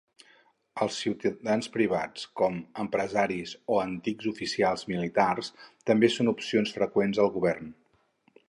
Els ciutadans privats com empresaris o antics oficials militars també són opcions freqüents al govern.